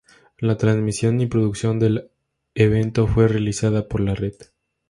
La transmisión y producción del evento fue realizada por La Red.